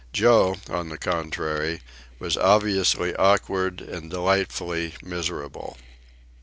Joe, on the contrary, was obviously awkward and delightfully miserable.